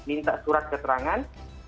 minta surat keterangan